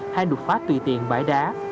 hay đục phá tùy tiện bãi đá